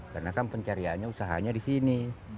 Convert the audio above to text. karena kan pencariannya usahanya di sini